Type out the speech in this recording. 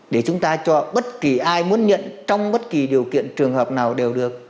để chúng ta cho bất kỳ ai muốn nhận trong bất kỳ điều kiện trường hợp nào đều được